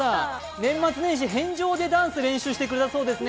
年末年始返上でダンスを練習してくれたそうですね。